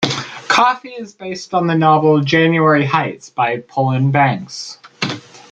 Coffee is based on the novel "January Heights" by Polan Banks.